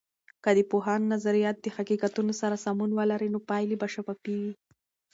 که د پوهاند نظریات د حقیقتونو سره سمون ولري، نو پایلې به شفافې وي.